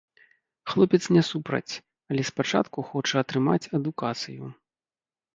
Хлопец не супраць, але спачатку хоча атрымаць адукацыю.